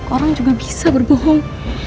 orang juga bisa berbohong